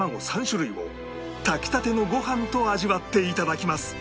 ３種類を炊きたてのご飯と味わっていただきます